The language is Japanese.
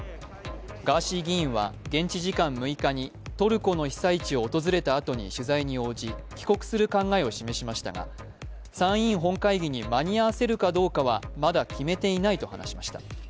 ガーシー議員は現地時間６日にトルコの被災地を訪れたあとに取材に応じ帰国する考えを示しましたが参院本会議に間に合わせるかどうかはまだ決めていないと話しました。